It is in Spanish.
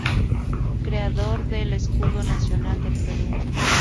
Creador del Escudo Nacional del Perú.